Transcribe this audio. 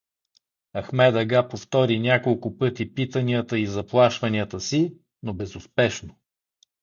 Ахмед ага повтори няколко пъти питанията и заплашванията си, но безуспешно.